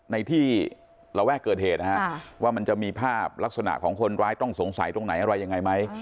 ในที่ระแวกเกิดเหตุนะฮะว่ามันจะมีภาพลักษณะของคนร้ายต้องสงสัยตรงไหนอะไรยังไงไหม